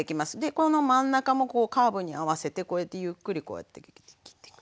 この真ん中もこうカーブに合わせてこうやってゆっくりこうやって切ってく。